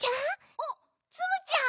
おっツムちゃん。